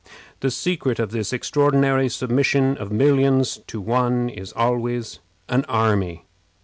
The secret of this extraordinary submission of millions to one is always an army.